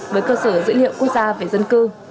với cơ sở dữ liệu quốc gia về dân cư